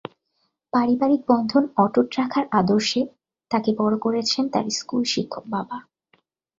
পারিবারিক বন্ধন অটুট রাখার আদর্শে তাঁকে বড়ো করেছেন তার স্কুল শিক্ষক বাবা।